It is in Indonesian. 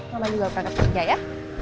mama juga lupa nge sugah ya